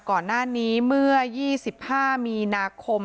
ก่อนหน้านี้เมื่อ๒๕มีนาคม